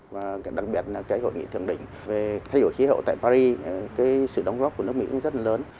và đặc biệt là hội nghị thường đỉnh về thay đổi khí hậu tại paris sự đóng góp của nước mỹ cũng rất là lớn